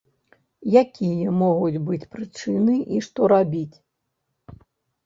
Якія могуць быць прычыны і што рабіць?